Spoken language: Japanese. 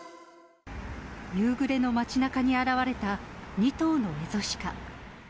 夕暮れの街なかに現れた２頭のエゾシカ。